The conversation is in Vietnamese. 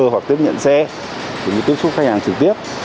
hoặc tiếp nhận xe chỉ tiếp xúc với khách hàng trực tiếp